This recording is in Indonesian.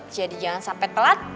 jadi jangan sampai telat